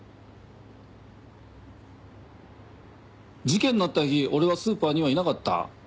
事件のあった日俺はスーパーにはいなかった。